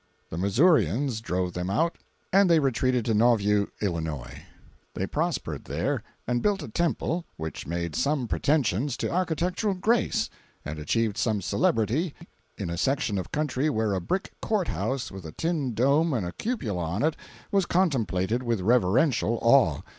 The Missourians drove them out and they retreated to Nauvoo, Illinois. They prospered there, and built a temple which made some pretensions to architectural grace and achieved some celebrity in a section of country where a brick court house with a tin dome and a cupola on it was contemplated with reverential awe.